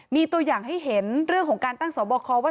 มีตัวอย่างให้เห็นเรื่องของการตั้งสอบคอว่า